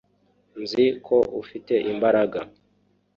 nzi ko ufite imbaraga